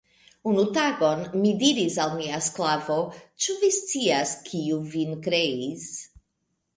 Unu tagon, mi diris al mia sklavo, Ĉu vi scias, kiu vin kreis?